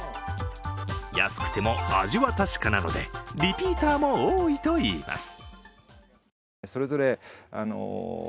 安くても味は確かなので、リピーターも多いといいます。